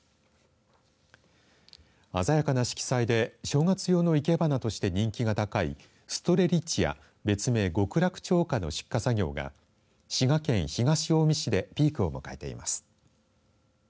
鮮やかな色彩で正月用の生け花として人気が高いストレリチア別名、極楽鳥花の出荷が滋賀県東近江市でピークを迎えています。